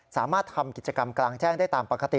สามารถทำกิจกรรมกลางแจ้งได้ตามปกติ